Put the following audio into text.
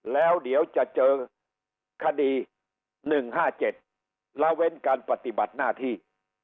แล้วเดี๋ยวจะเจอคดี๑๕๗ละเว้นการปฏิบัติหน้าที่